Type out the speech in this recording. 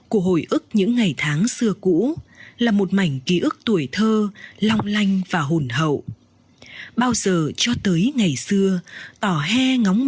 chưa lâu về